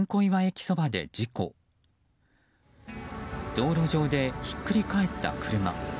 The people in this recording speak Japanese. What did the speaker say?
道路上でひっくり返った車。